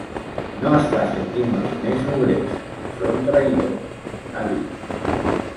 No es facin dir mai més obrers; són traïdors, ha dit.